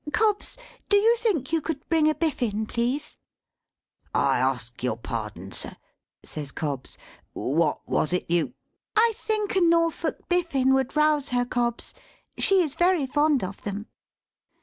Cobbs, do you think you could bring a biffin, please?" "I ask your pardon, sir," says Cobbs. "What was it you ?" "I think a Norfolk biffin would rouse her, Cobbs. She is very fond of them."